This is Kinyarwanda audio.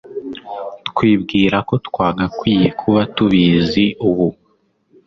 twibwira ko twagakwiye kuba tubizi ubu